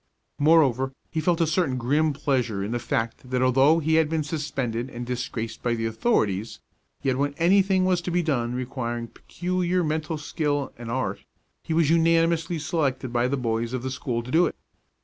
Moreover, he felt a certain grim pleasure in the fact that although he had been suspended and disgraced by the authorities, yet when anything was to be done requiring peculiar mental skill and art, he was unanimously selected by the boys of the school to do it.